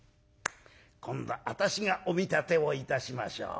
今度私がお見立てをいたしましょう。